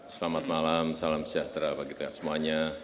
selamat malam salam sejahtera bagi kita semuanya